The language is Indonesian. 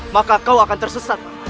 maka kau akan tersesat